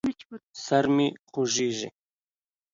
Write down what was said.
سر مې خوږېږي.